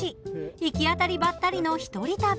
行き当たりばったりの一人旅。